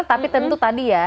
tapi tentu tadi ya